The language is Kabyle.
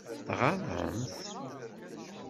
Tɣaḍem-t?